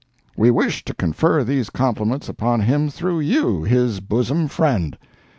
We wish to confer these compliments upon him through you, his bosom friend.